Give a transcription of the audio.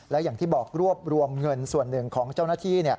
และอย่างที่บอกรวบรวมเงินส่วนหนึ่งของเจ้าหน้าที่